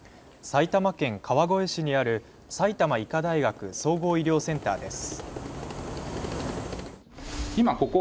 埼玉県川越市にある埼玉医科大学総合医療センターです。